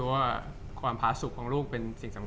จากความไม่เข้าจันทร์ของผู้ใหญ่ของพ่อกับแม่